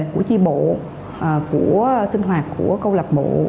của chi bộ của sinh hoạt của câu lạc bộ